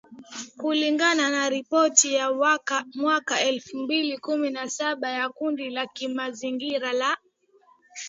kulingana na ripoti ya mwaka elfu mbili kumi na saba ya kundi la kimazingira la